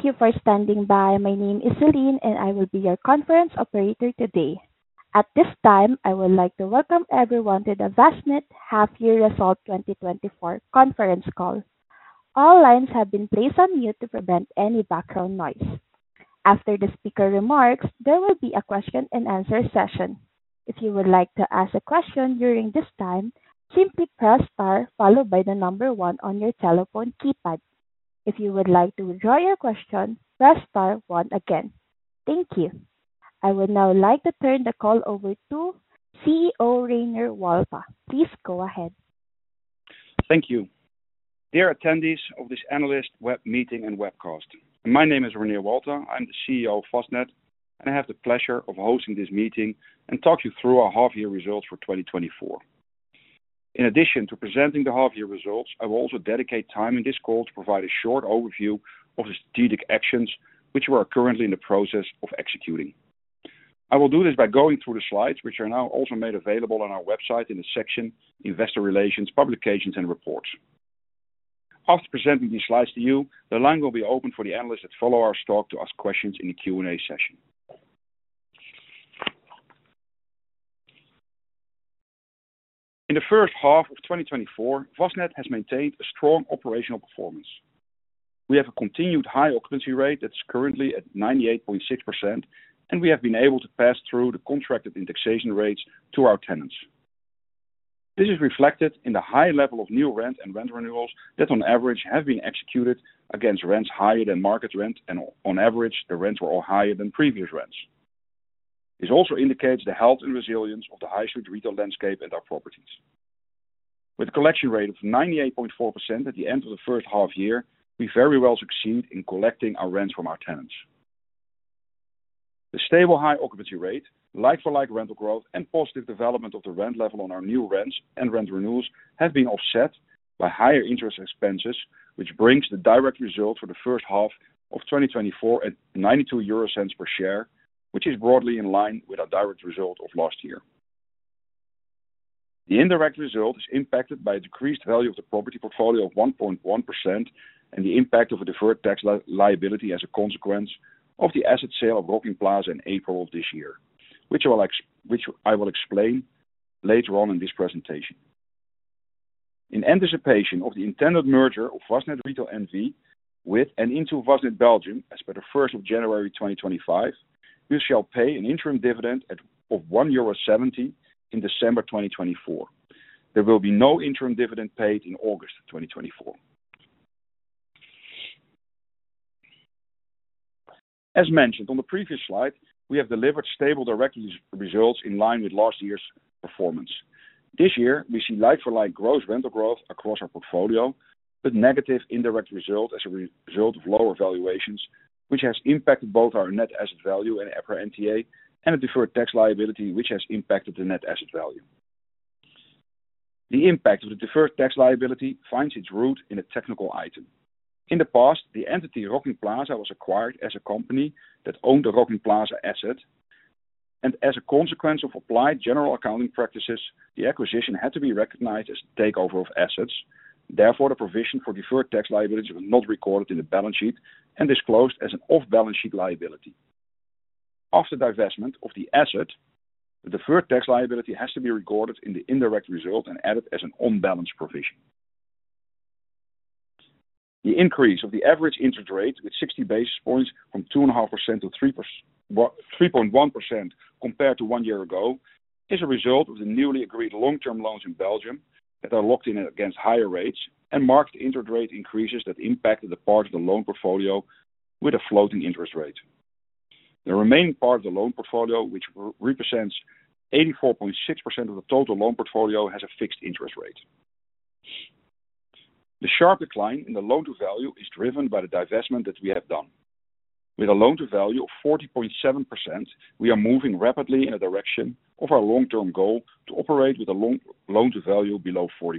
Thank you for standing by. My name is Celine, and I will be your conference operator today. At this time, I would like to welcome everyone to the Vastned Half Year Results 2024 conference call. All lines have been placed on mute to prevent any background noise. After the speaker remarks, there will be a question-and-answer session. If you would like to ask a question during this time, simply press star followed by the number one on your telephone keypad. If you would like to withdraw your question, press star one again. Thank you. I would now like to turn the call over to CEO, Reinier Walta. Please go ahead. Thank you. Dear attendees of this analyst web meeting and webcast, my name is Reinier Walta. I'm the CEO of Vastned, and I have the pleasure of hosting this meeting and talk you through our half-year results for 2024. In addition to presenting the half-year results, I will also dedicate time in this call to provide a short overview of the strategic actions which we are currently in the process of executing. I will do this by going through the slides, which are now also made available on our website in the section Investor Relations, Publications and Reports. After presenting these slides to you, the line will be open for the analysts that follow our talk to ask questions in the Q&A session. In the first half of 2024, Vastned has maintained a strong operational performance. We have a continued high occupancy rate that's currently at 98.6%, and we have been able to pass through the contracted indexation rates to our tenants. This is reflected in the high level of new rent and rent renewals that on average, have been executed against rents higher than market rent, and on average, the rents were all higher than previous rents. This also indicates the health and resilience of the high street retail landscape and our properties. With a collection rate of 98.4% at the end of the first half year, we very well succeed in collecting our rents from our tenants. The stable, high occupancy rate, like-for-like rental growth, and positive development of the rent level on our new rents and rent renewals, have been offset by higher interest expenses, which brings the direct result for the first half of 2024 at 0.92 per share, which is broadly in line with our direct result of last year. The indirect result is impacted by a decreased value of the property portfolio of 1.1%, and the impact of a deferred tax liability as a consequence of the asset sale of Rokin Plaza in April of this year, which I will explain later on in this presentation. In anticipation of the intended merger of Vastned Retail N.V. with and into Vastned Belgium, as per the 1st of January 2025, we shall pay an interim dividend of 1.70 euro in December 2024. There will be no interim dividend paid in August 2024. As mentioned on the previous slide, we have delivered stable direct results in line with last year's performance. This year, we see like-for-like gross rental growth across our portfolio, but negative indirect results as a result of lower valuations, which has impacted both our net asset value and EPRA NTA, and a deferred tax liability, which has impacted the net asset value. The impact of the deferred tax liability finds its root in a technical item. In the past, the entity, Rokin Plaza, was acquired as a company that owned the Rokin Plaza asset, and as a consequence of applied general accounting practices, the acquisition had to be recognized as takeover of assets. Therefore, the provision for deferred tax liability was not recorded in the balance sheet and disclosed as an off-balance sheet liability. After divestment of the asset, the deferred tax liability has to be recorded in the indirect result and added as an on-balance provision. The increase of the average interest rate with 60 basis points from 2.5% to 3.1% compared to 1 year ago is a result of the newly agreed long-term loans in Belgium that are locked in against higher rates and marked interest rate increases that impacted the part of the loan portfolio with a floating interest rate. The remaining part of the loan portfolio, which represents 84.6% of the total loan portfolio, has a fixed interest rate. The sharp decline in the loan-to-value is driven by the divestment that we have done. With a loan-to-value of 40.7%, we are moving rapidly in the direction of our long-term goal to operate with a loan-to-value below 40%.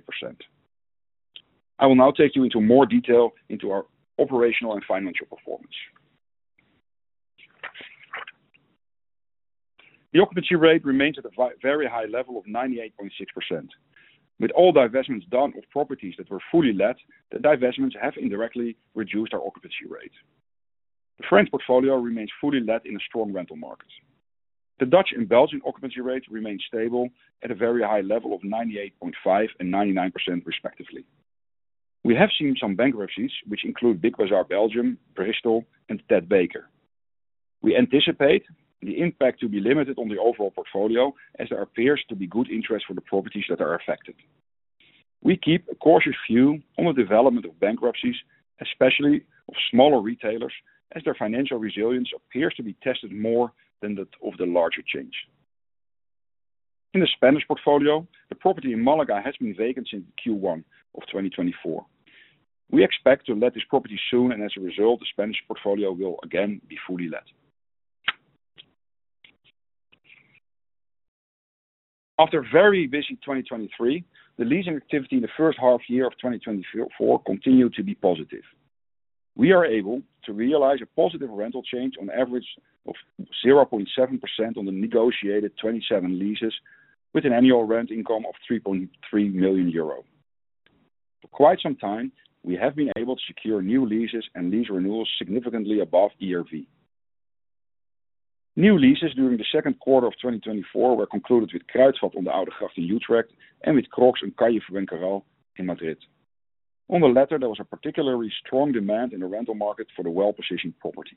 I will now take you into more detail into our operational and financial performance. The occupancy rate remains at a very high level of 98.6%. With all divestments done of properties that were fully let, the divestments have indirectly reduced our occupancy rate. The French portfolio remains fully let in a strong rental market. The Dutch and Belgian occupancy rates remain stable at a very high level of 98.5% and 99%, respectively. We have seen some bankruptcies, which include Big Bazar Belgium, Bristol, and Ted Baker. We anticipate the impact to be limited on the overall portfolio, as there appears to be good interest for the properties that are affected. We keep a cautious view on the development of bankruptcies, especially of smaller retailers, as their financial resilience appears to be tested more than that of the larger chains. In the Spanish portfolio, the property in Malaga has been vacant since Q1 of 2024. We expect to let this property soon, and as a result, the Spanish portfolio will again be fully let. After a very busy 2023, the leasing activity in the first half year of 2024 continued to be positive. We are able to realize a positive rental change on average of 0.7% on the negotiated 27 leases with an annual rent income of 3.3 million euro. For quite some time, we have been able to secure new leases and lease renewals significantly above ERV. New leases during the second quarter of 2024 were concluded with Kruidvat on the Oudegracht in Utrecht, and with Crocs on Calle Fuencarral in Madrid. On the latter, there was a particularly strong demand in the rental market for the well-positioned property.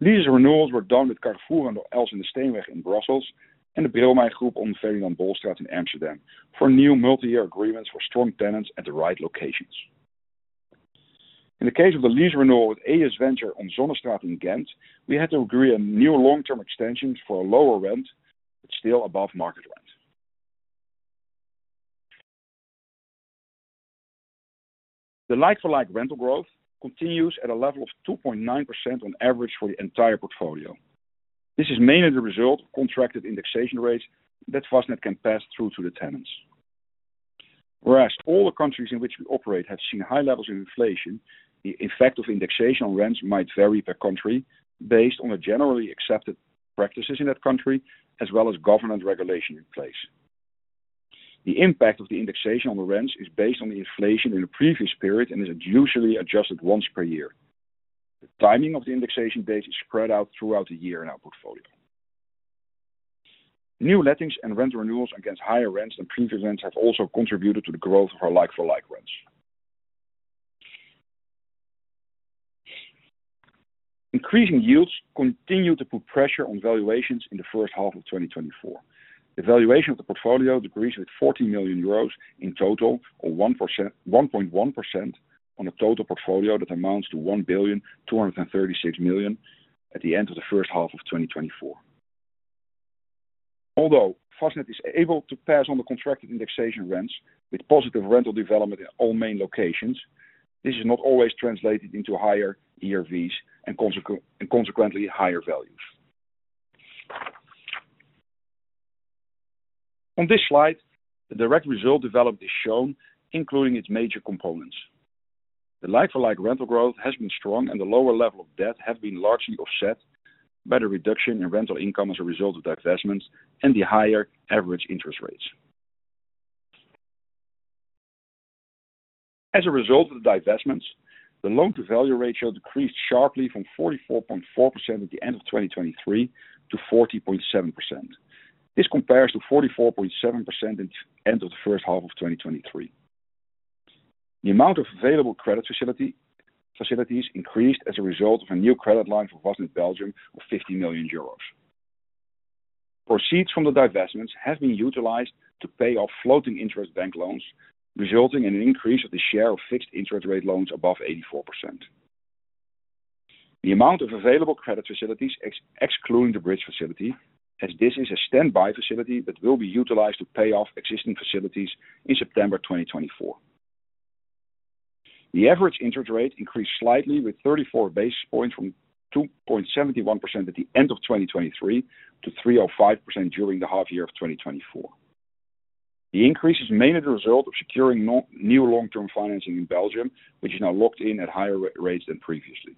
Lease renewals were done with Carrefour on the Elsenesteenweg in Brussels, and De Bijenkorf on the Ferdinand Bolstraat in Amsterdam, for new multi-year agreements for strong tenants at the right locations. In the case of the lease renewal with A.S. Adventure on Zonnestraat in Ghent, we had to agree on new long-term extensions for a lower rent, but still above market rent. The like-for-like rental growth continues at a level of 2.9% on average for the entire portfolio. This is mainly the result of contracted indexation rates that Vastned can pass through to the tenants. Whereas all the countries in which we operate have seen high levels of inflation, the effect of indexation on rents might vary per country based on the generally accepted practices in that country, as well as government regulation in place. The impact of the indexation on the rents is based on the inflation in the previous period, and is usually adjusted once per year. The timing of the indexation date is spread out throughout the year in our portfolio. New lettings and rent renewals against higher rents than previous rents have also contributed to the growth of our like-for-like rents. Increasing yields continue to put pressure on valuations in the first half of 2024. The valuation of the portfolio decreased with 40 million euros in total, or 1%-1.1% on a total portfolio that amounts to 1,236 million at the end of the first half of 2024. Although Vastned is able to pass on the contracted indexation rents with positive rental development in all main locations, this is not always translated into higher ERVs and consequently, higher values. On this slide, the direct result developed is shown, including its major components. The like-for-like rental growth has been strong, and the lower level of debt has been largely offset by the reduction in rental income as a result of divestments and the higher average interest rates. As a result of the divestments, the loan-to-value ratio decreased sharply from 44.4% at the end of 2023, to 40.7%. This compares to 44.7% at the end of the first half of 2023. The amount of available credit facilities increased as a result of a new credit line for Vastned Belgium of 50 million euros. Proceeds from the divestments have been utilized to pay off floating interest bank loans, resulting in an increase of the share of fixed interest rate loans above 84%. The amount of available credit facilities, excluding the bridge facility, as this is a standby facility that will be utilized to pay off existing facilities in September 2024. The average interest rate increased slightly, with 34 basis points from 2.71% at the end of 2023, to 3.05% during the half year of 2024. The increase is mainly the result of securing new long-term financing in Belgium, which is now locked in at higher rates than previously.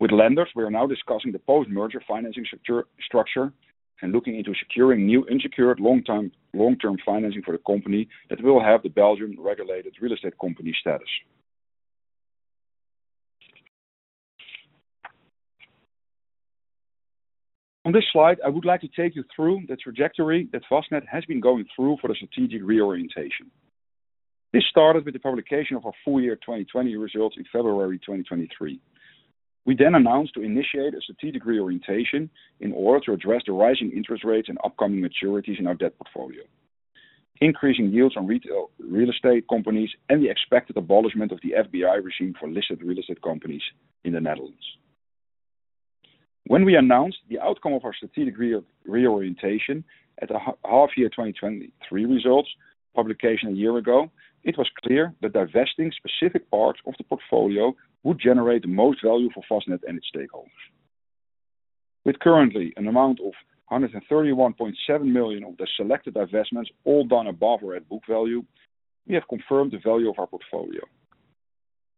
With lenders, we are now discussing the post-merger financing structure, and looking into securing new unsecured long-term financing for the company that will have the Belgian regulated real estate company status. On this slide, I would like to take you through the trajectory that Vastned has been going through for the strategic reorientation. This started with the publication of our full year 2020 results in February 2023. We then announced to initiate a strategic reorientation in order to address the rising interest rates and upcoming maturities in our debt portfolio, increasing yields on retail real estate companies, and the expected abolishment of the FBI regime for listed real estate companies in the Netherlands. When we announced the outcome of our strategic reorientation at the half year 2023 results publication a year ago, it was clear that divesting specific parts of the portfolio would generate the most value for Vastned and its stakeholders. With currently an amount of 131.7 million of the selected divestments, all done above or at book value, we have confirmed the value of our portfolio.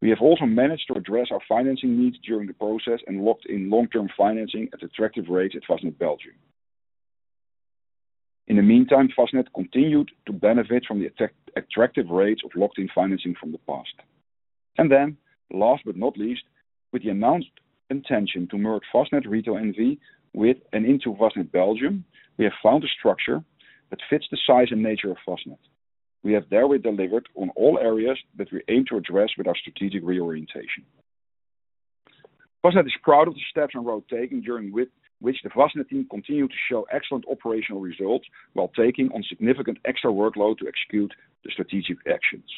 We have also managed to address our financing needs during the process, and locked in long-term financing at attractive rates at Vastned Belgium. In the meantime, Vastned continued to benefit from the attractive rates of locked-in financing from the past. And then, last but not least, with the announced intention to merge Vastned Retail N.V. with and into Vastned Belgium, we have found a structure that fits the size and nature of Vastned. We have thereby delivered on all areas that we aim to address with our strategic reorientation. Vastned is proud of the steps and road taken during which the Vastned team continued to show excellent operational results, while taking on significant extra workload to execute the strategic actions.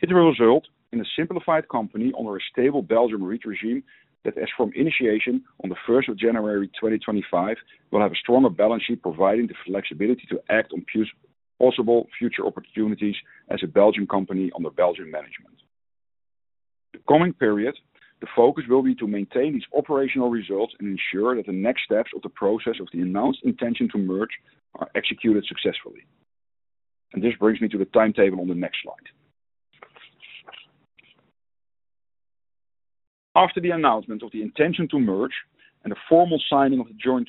It will result in a simplified company under a stable Belgium REIT regime, that as from initiation on the first of January 2025, will have a stronger balance sheet, providing the flexibility to act on possible future opportunities as a Belgian company under Belgian management. The coming period, the focus will be to maintain these operational results and ensure that the next steps of the process of the announced intention to merge are executed successfully. This brings me to the timetable on the next slide. After the announcement of the intention to merge and a formal signing of the joint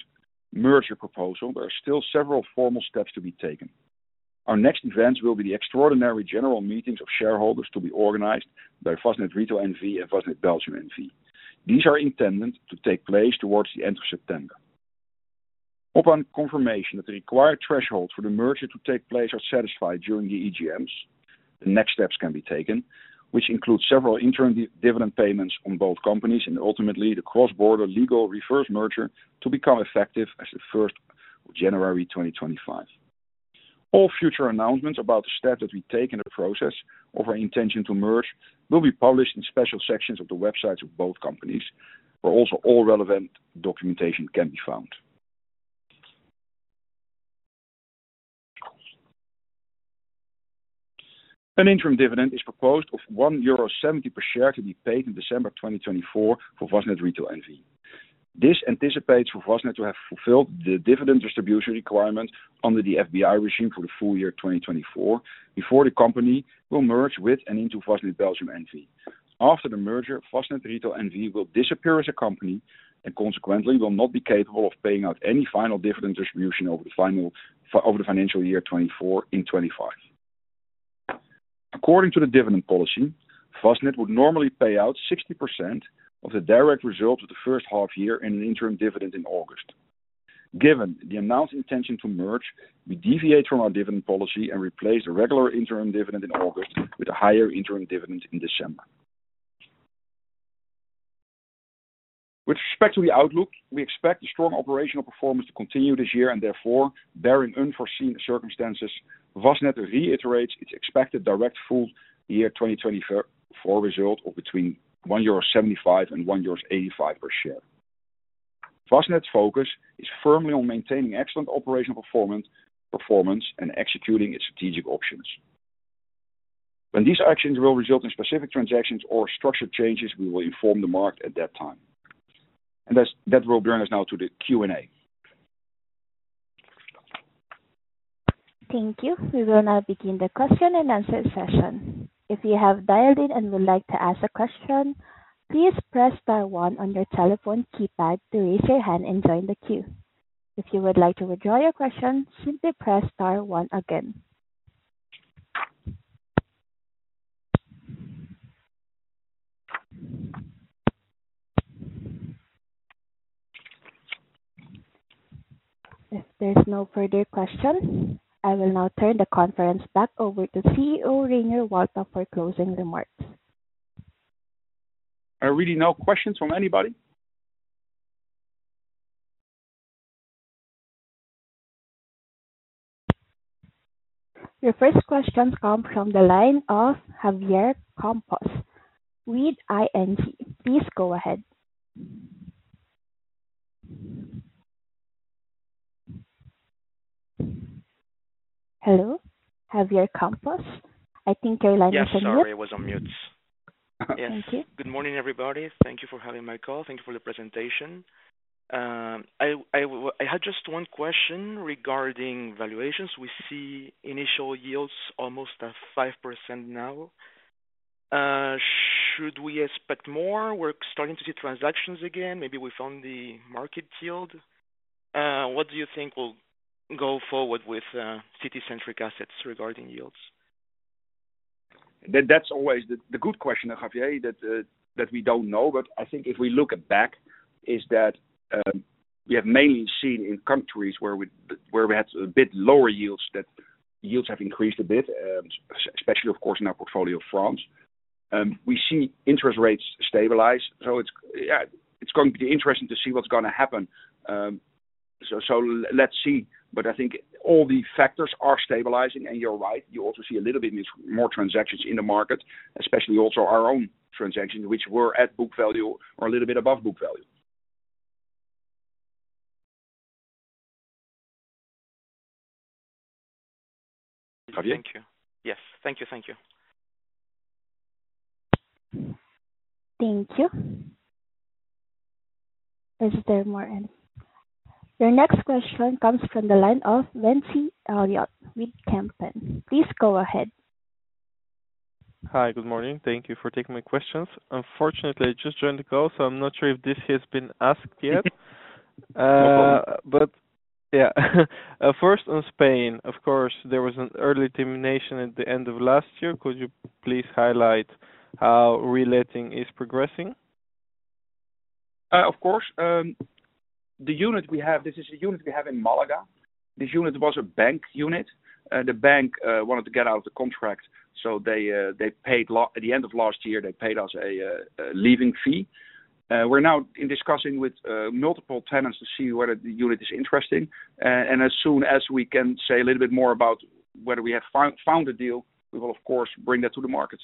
merger proposal, there are still several formal steps to be taken. Our next events will be the extraordinary general meetings of shareholders to be organized by Vastned Retail N.V. and Vastned Belgium N.V. These are intended to take place towards the end of September. Upon confirmation that the required thresholds for the merger to take place are satisfied during the EGMs, the next steps can be taken, which includes several interim dividend payments from both companies, and ultimately, the cross-border legal reverse merger to become effective as of 1 January 2025. All future announcements about the steps that we take in the process of our intention to merge will be published in special sections of the websites of both companies, where also all relevant documentation can be found. An interim dividend is proposed of 1.70 euro per share, to be paid in December 2024 for Vastned Retail N.V. This anticipates for Vastned to have fulfilled the dividend distribution requirement under the FBI regime for the full year 2024, before the company will merge with and into Vastned Belgium N.V. After the merger, Vastned Retail N.V. will disappear as a company and consequently will not be capable of paying out any final dividend distribution over the financial year 2024 and 2025. According to the dividend policy, Vastned would normally pay out 60% of the direct results of the first half year in an interim dividend in August. Given the announced intention to merge, we deviate from our dividend policy and replace the regular interim dividend in August with a higher interim dividend in December. With respect to the outlook, we expect the strong operational performance to continue this year, and therefore, barring unforeseen circumstances, Vastned reiterates its expected direct full year 2024 result of between 1.75 and 1.85 per share. Vastned's focus is firmly on maintaining excellent operational performance and executing its strategic options. When these actions will result in specific transactions or structure changes, we will inform the market at that time. That will bring us now to the Q&A. Thank you. We will now begin the question and answer session. If you have dialed in and would like to ask a question, please press star one on your telephone keypad to raise your hand and join the queue. If you would like to withdraw your question, simply press star one again. If there's no further questions, I will now turn the conference back over to CEO Reinier Walta, for closing remarks. Are really no questions from anybody? Your first question comes from the line of Javier Campos with ING. Please go ahead. Hello, Javier Campos. I think your line is on mute. Yeah, sorry, I was on mute. Thank you. Good morning, everybody. Thank you for having me call. Thank you for the presentation. I had just one question regarding valuations. We see initial yields almost at 5% now. Should we expect more? We're starting to see transactions again. Maybe we found the market yield. What do you think will go forward with city-centric assets regarding yields? That, that's always the good question, Javier, that we don't know. But I think if we look back, we have mainly seen in countries where we had a bit lower yields, that yields have increased a bit, especially, of course, in our portfolio of France. We see interest rates stabilize, so it's, yeah, it's going to be interesting to see what's gonna happen. So, so let's see. But I think all the factors are stabilizing, and you're right, you also see a little bit more transactions in the market, especially also our own transaction, which were at book value or a little bit above book value. Javier? Thank you. Yes, thank you. Thank you. Thank you. Is there more in? Your next question comes from the line of Ventsi Iliev with Kempen. Please go ahead. Hi, good morning. Thank you for taking my questions. Unfortunately, I just joined the call, so I'm not sure if this has been asked yet. No problem. But yeah. First, on Spain, of course, there was an early termination at the end of last year. Could you please highlight how reletting is progressing? Of course. The unit we have, this is a unit we have in Malaga. This unit was a bank unit. The bank wanted to get out of the contract, so they, they paid—At the end of last year, they paid us a, a leaving fee. We're now in discussing with multiple tenants to see whether the unit is interesting. And as soon as we can say a little bit more about whether we have found a deal, we will of course, bring that to the market.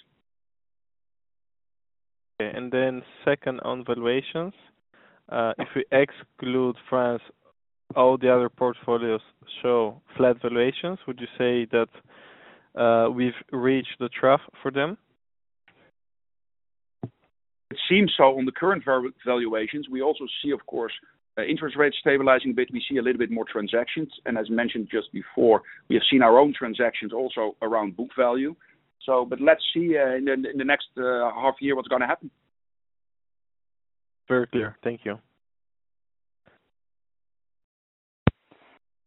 Okay. And then second, on valuations. If we exclude France, all the other portfolios show flat valuations. Would you say that we've reached the trough for them? It seems so on the current valuations. We also see, of course, the interest rates stabilizing a bit, we see a little bit more transactions. And as mentioned just before, we have seen our own transactions also around book value. So but let's see, in the next half year, what's gonna happen. Very clear. Thank you.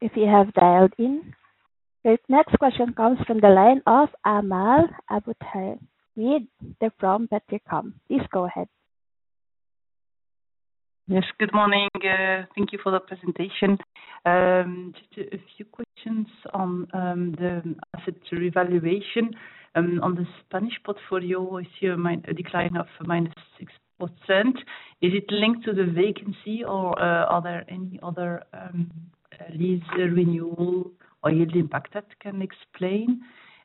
If you have dialed in, the next question comes from the line of Amal Aboulkhouatem from Degroof Petercam. Please go ahead. Yes, good morning. Thank you for the presentation. Just a few questions on the asset revaluation. On the Spanish portfolio, we see a decline of -6%. Is it linked to the vacancy or are there any other lease renewal or yield impact that can explain?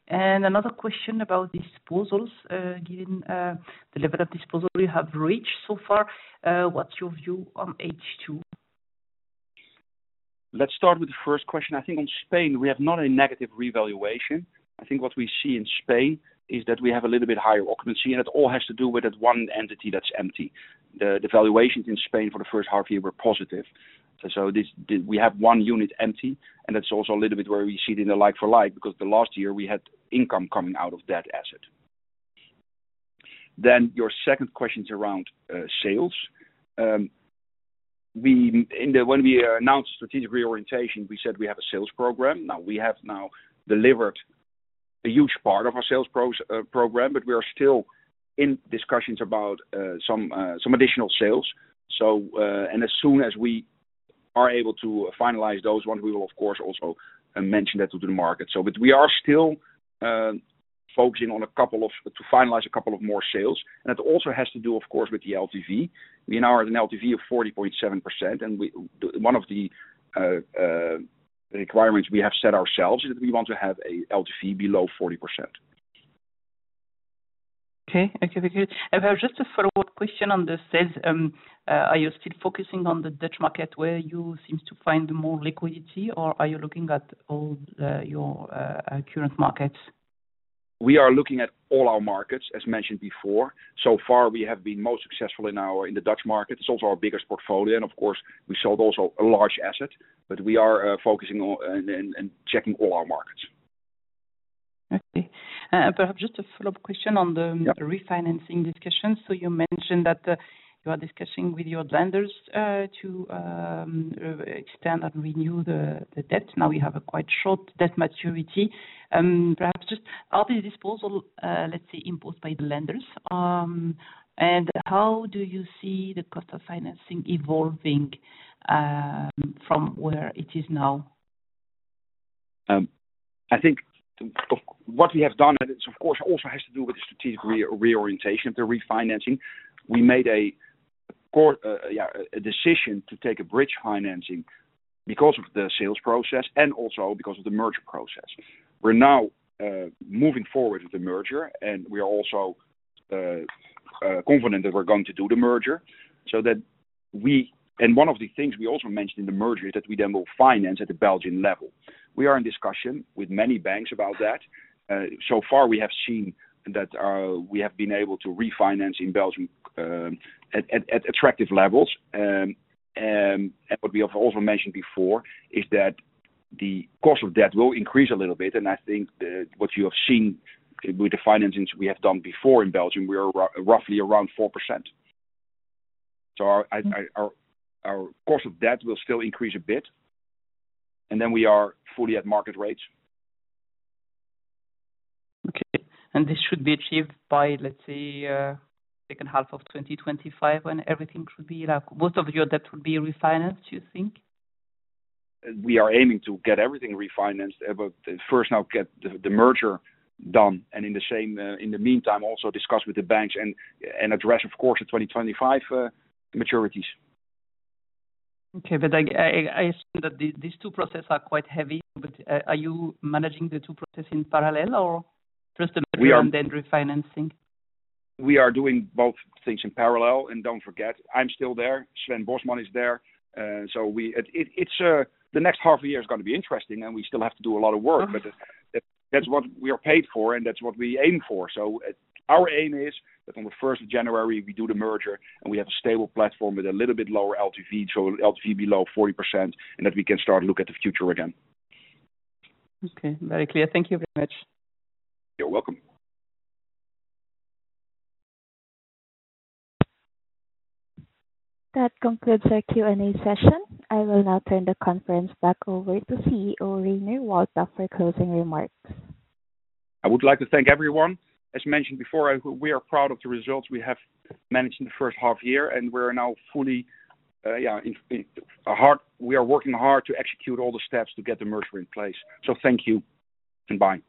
And another question about disposals. Given the level of disposal you have reached so far, what's your view on H2? Let's start with the first question. I think in Spain, we have not a negative revaluation. I think what we see in Spain is that we have a little bit higher occupancy, and it all has to do with that one entity that's empty. The valuations in Spain for the first half year were positive. So, we have one unit empty, and that's also a little bit where we see it in the like-for-like, because the last year we had income coming out of that asset. Then your second question is around sales. And when we announced strategic reorientation, we said we have a sales program. Now, we have delivered a huge part of our sales program, but we are still in discussions about some additional sales. And as soon as we are able to finalize those ones, we will of course also mention that to the market. But we are still focusing on a couple of to finalize a couple of more sales, and it also has to do, of course, with the LTV. We now are at an LTV of 40.7%, and one of the requirements we have set ourselves is we want to have a LTV below 40%. Okay. Thank you. Just a follow-up question on the sales. Are you still focusing on the Dutch market, where you seem to find more liquidity, or are you looking at all your current markets? We are looking at all our markets, as mentioned before. So far, we have been most successful in our, in the Dutch market. It's also our biggest portfolio, and of course, we sold also a large asset. But we are focusing on and checking all our markets. Okay. Perhaps just a follow-up question on the- Yeah. - refinancing discussion. So you mentioned that, you are discussing with your lenders, to extend and renew the debt. Now, we have a quite short debt maturity. Perhaps just, are these disposal, let's say, imposed by the lenders? And how do you see the cost of financing evolving, from where it is now? I think of what we have done, and it of course also has to do with the strategic reorientation, the refinancing. We made a core decision to take a bridge financing because of the sales process and also because of the merger process. We're now moving forward with the merger, and we are also confident that we're going to do the merger, so that we-- And one of the things we also mentioned in the merger is that we then will finance at the Belgian level. We are in discussion with many banks about that. So far we have seen that we have been able to refinance in Belgium at attractive levels. And what we have also mentioned before is that the cost of debt will increase a little bit, and I think what you have seen with the financings we have done before in Belgium, we are roughly around 4%. So our cost of debt will still increase a bit, and then we are fully at market rates. Okay. And this should be achieved by, let's say, second half of 2025, when everything should be, like, most of your debt will be refinanced, you think? We are aiming to get everything refinanced, but first, now get the merger done, and in the meantime, also discuss with the banks and address, of course, the 2025 maturities. Okay. But I assume that these two processes are quite heavy, but are you managing the two processes in parallel or first merger? We are- -then refinancing? We are doing both things in parallel. And don't forget, I'm still there, Sven Bosman is there. So we... it's the next half a year is gonna be interesting, and we still have to do a lot of work. Uh. But that's what we are paid for, and that's what we aim for. So our aim is that on the first of January, we do the merger, and we have a stable platform with a little bit lower LTV, so LTV below 40%, and that we can start to look at the future again. Okay. Very clear. Thank you very much. You're welcome. That concludes our Q&A session. I will now turn the conference back over to CEO Reinier Walta for closing remarks. I would like to thank everyone. As mentioned before, we are proud of the results we have managed in the first half year, and we are now fully working hard to execute all the steps to get the merger in place. So thank you, and bye.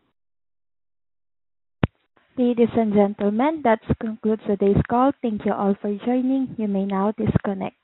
Ladies and gentlemen, that concludes today's call. Thank you all for joining. You may now disconnect.